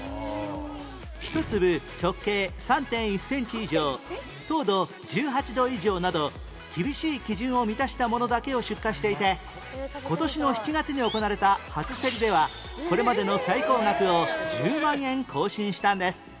１粒直径 ３．１ センチ以上糖度１８度以上など厳しい基準を満たしたものだけを出荷していて今年の７月に行われた初競りではこれまでの最高額を１０万円更新したんです